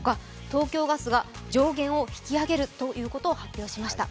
東京ガスが上限を引き上げるということを発表しました。